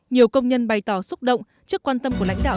nhiều công nhân bày tỏ xúc động trước quan tâm của lãnh đạo